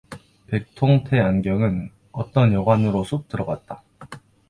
백통테 안경은 어떤 여관으로 쑥 들어갔다.